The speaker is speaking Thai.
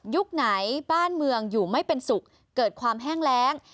ไหนบ้านเมืองอยู่ไม่เป็นสุขเกิดความแห้งแรง